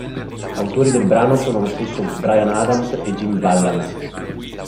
Autori del brano sono lo stesso Bryan Adams e Jim Vallance.